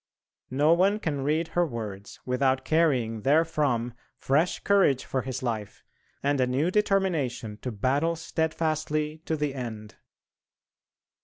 No one can read her words without carrying therefrom fresh courage for his life, and a new determination to battle steadfastly to the end.